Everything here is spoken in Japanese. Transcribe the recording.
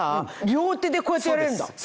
両手でこうやってやれるんだ？